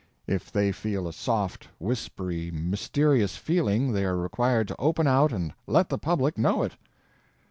If they feel a soft, whispery, mysterious feeling they are required to open out and let the public know it.